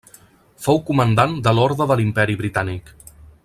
Fou Comandant de l'Orde de l'Imperi Britànic.